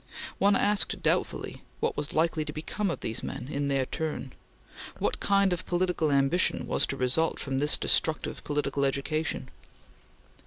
One asked doubtfully what was likely to become of these men in their turn. What kind of political ambition was to result from this destructive political education?